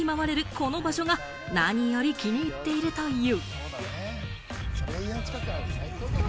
この場所が何より気に入っているという。